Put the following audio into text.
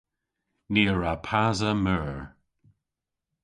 Ni a wra pasa meur.